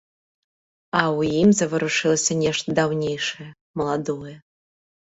А ў ім заварушылася нешта даўнейшае, маладое.